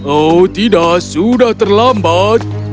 oh tidak sudah terlambat